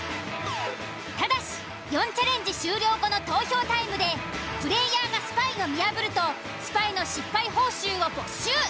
ただし４チャレンジ終了後の投票タイムでプレイヤーがスパイを見破るとスパイの失敗報酬を没収。